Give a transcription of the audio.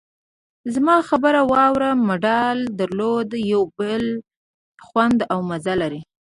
زما خبره واوره! مډال درلودل یو بېل خوند او مزه لري.